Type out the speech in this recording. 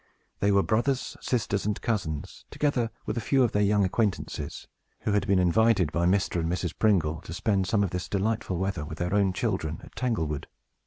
They were brothers, sisters, and cousins, together with a few of their young acquaintances, who had been invited by Mr. and Mrs. Pringle to spend some of this delightful weather with their own children at Tanglewood.